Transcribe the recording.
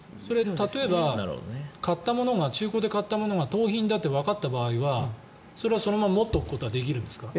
例えば中古で買ったものが盗品だとわかった場合はそれはそのまま持っておくことはできるんですか？